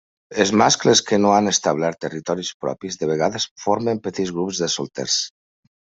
Els mascles que no han establert territoris propis, de vegades formen petits grups de solters.